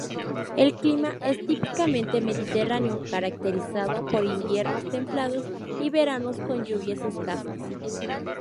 El clima es típicamente mediterráneo, caracterizado por inviernos templados y veranos con lluvias escasas.